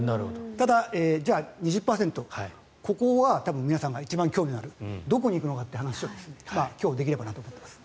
ただ、じゃあ２０％、ここは多分皆さんが一番興味があるどこに行くのかという話を今日、できればなと思います。